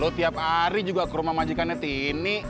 lu tiap hari juga ke rumah wajikannya tini